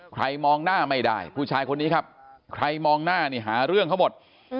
มองหน้าไม่ได้ผู้ชายคนนี้ครับใครมองหน้านี่หาเรื่องเขาหมด